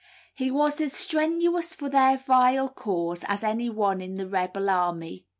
He was as strenuous for their vile cause as any one in the rebel army.